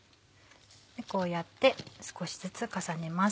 こうやって少しずつ重ねます。